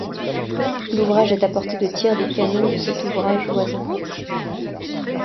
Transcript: L'ouvrage est à portée de tir des canons de cet ouvrage voisin.